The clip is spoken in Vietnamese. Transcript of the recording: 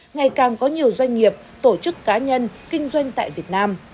ngày càng có nhiều doanh nghiệp tổ chức cá nhân kinh doanh tại việt nam